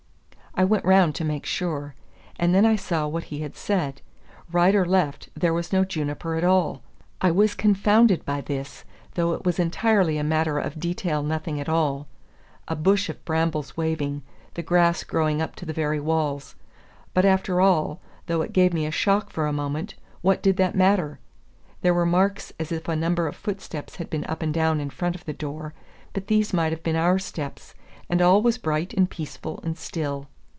I went round to make sure. And then I saw what he had said. Right or left there was no juniper at all! I was confounded by this, though it was entirely a matter of detail nothing at all, a bush of brambles waving, the grass growing up to the very walls. But after all, though it gave me a shock for a moment, what did that matter? There were marks as if a number of footsteps had been up and down in front of the door, but these might have been our steps; and all was bright and peaceful and still.